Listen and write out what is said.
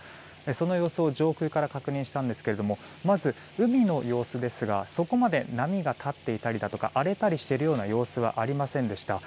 その様子を上空から確認したんですがまず海の様子ですがそこまで波が立っていたりだとか荒れたりしている様子はありませんでした。